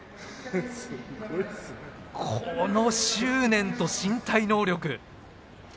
この執念と身体能力。